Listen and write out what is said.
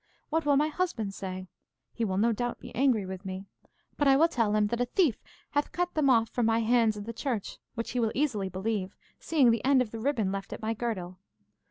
What will my husband say? He will no doubt be angry with me. But I will tell him that a thief hath cut them off from my hands in the church, which he will easily believe, seeing the end of the ribbon left at my girdle.